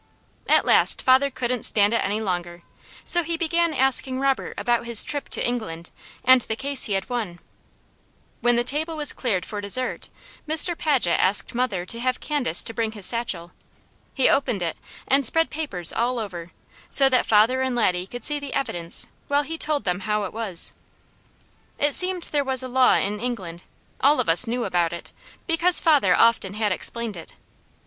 At last father couldn't stand it any longer, so he began asking Robert about his trip to England, and the case he had won. When the table was cleared for dessert, Mr. Paget asked mother to have Candace to bring his satchel. He opened it and spread papers all over, so that father and Laddie could see the evidence, while he told them how it was. It seemed there was a law in England, all of us knew about it, because father often had explained it.